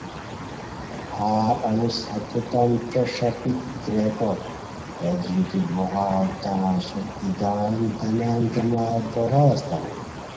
ہر انوس ہیتانتے ݰاپیک دریکو ہیت ژوتی بوغاوا تان سوم ایگان دانان گاناؤ بوغاؤ استانی